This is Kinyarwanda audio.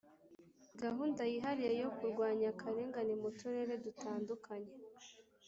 gahunda yihariye yo kurwanya akarengane mu Turere dutandukanye